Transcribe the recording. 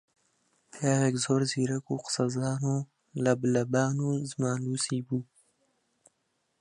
پیاوێکی زۆر زیرەک و قسەزان و لەبلەبان و زمانلووس بوو